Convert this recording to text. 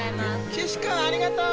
岸君、ありがとう。